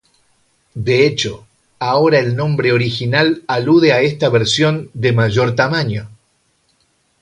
De hecho, ahora el nombre original alude a esta versión de mayor tamaño.